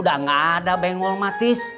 udah gak ada benggol matis